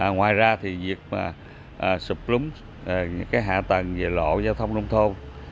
ngoài ra thì việc sụp lúng những hạ tầng về lộ giao thông nông thôn